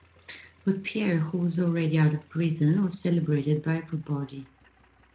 But Pierre, who was already out of prison, was celebrated by everybody.